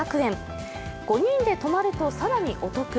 ５人で止まると更にお得。